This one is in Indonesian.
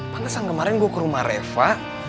panasan kemarin gue ke rumah reva